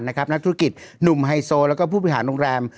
นักธุรกิจหนุ่มไฮโซแล้วก็ผู้บริหารโรงแรม